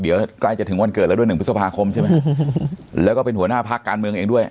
เดี๋ยวใกล้จะถึงวันเกิดแล้วด้วยหนึ่งพฤษภาคมใช่ไหมแล้วก็เป็นหัวหน้าพักการเมืองเองด้วย